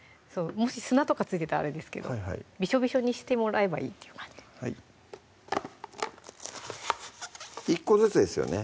もし砂とか付いてたらあれですけどびしょびしょにしてもらえばいいっていう感じで１個ずつですよね